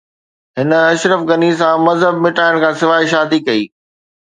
هن اشرف غني سان مذهب مٽائڻ کانسواءِ شادي ڪئي